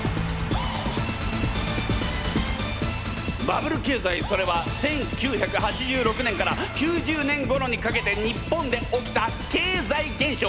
バブル経済それは１９８６年から９０年ごろにかけて日本で起きた経済現象。